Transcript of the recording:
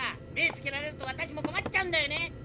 目つけられると私も困っちゃうんだよね。